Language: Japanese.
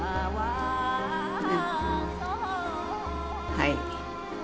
はい。